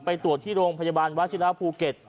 ไปตรวจที่โรงพยาบาลวัชิระภูเก็ต